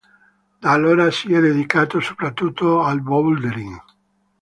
Da allora si è dedicato soprattutto al bouldering.